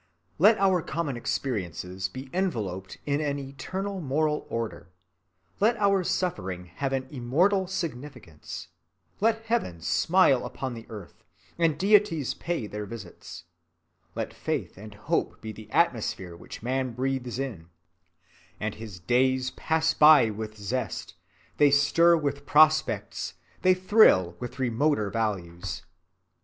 Let our common experiences be enveloped in an eternal moral order; let our suffering have an immortal significance; let Heaven smile upon the earth, and deities pay their visits; let faith and hope be the atmosphere which man breathes in;—and his days pass by with zest; they stir with prospects, they thrill with remoter values.